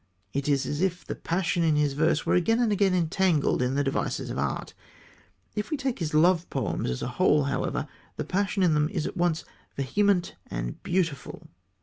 It is as if the passion in his verse were again and again entangled in the devices of art. If we take his love poems as a whole, however, the passion in them is at once vehement and beautiful.